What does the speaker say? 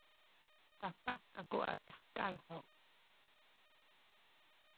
kapah kaku a tahekal haw?